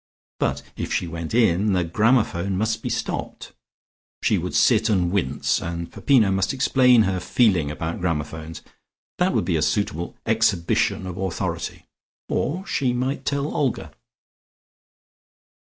But if she went in, the gramophone must be stopped. She would sit and wince, and Peppino must explain her feeling about gramophones. That would be a suitable exhibition of authority. Or she might tell Olga.